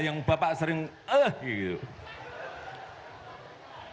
yang bapak sering ah gitu